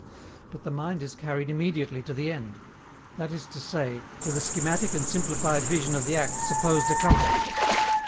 But the mind is carried immediately to the end, that is to say, to the schematic and simplified vision of the act supposed accomplished.